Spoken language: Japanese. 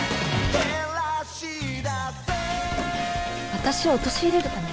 私を陥れるため？